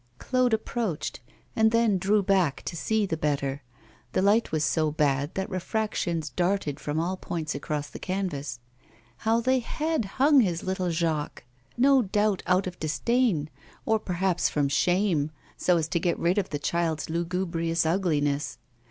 Claude approached, and then drew back to see the better. The light was so bad that refractions darted from all points across the canvas. How they had hung his little Jacques! no doubt out of disdain, or perhaps from shame, so as to get rid of the child's lugubrious ugliness.